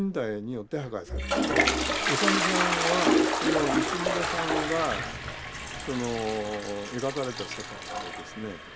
渡辺さんはその石牟礼さんが描かれた世界をですね